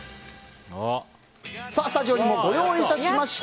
スタジオにもご用意いたしました。